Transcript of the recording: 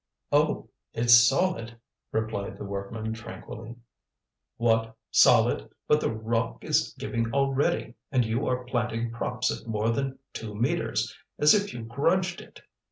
"Oh! it's solid," replied the workman tranquilly. "What! solid! but the rock is giving already, and you are planting props at more than two metres, as if you grudged it!